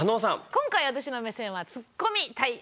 今回私の目線は「ツッコミたい」です。